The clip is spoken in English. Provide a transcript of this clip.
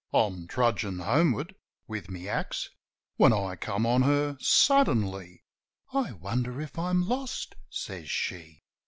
I'm trudgin' homeward with my axe When I come on her suddenly. "I wonder if I'm lost?" says she.